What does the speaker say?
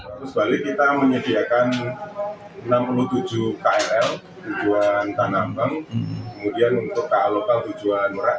arus balik kita menyediakan enam puluh tujuh krl tujuan tanah abang kemudian untuk ka lokal tujuan merak